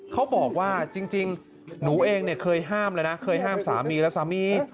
เขาบอกว่าจริงหนูเองเนี่ยเคยห้ามแล้วนะเคยห้ามสามีและสามี